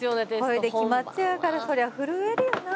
これで決まっちゃうからそりゃ震えるよな。